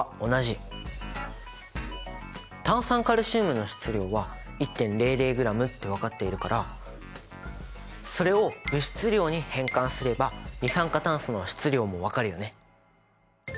炭酸カルシウムの質量は１．００ｇって分かっているからそれを物質量に変換すれば二酸化炭素の質量も分かるよね！